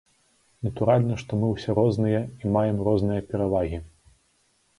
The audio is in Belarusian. Натуральна, што мы ўсе розныя і маем розныя перавагі.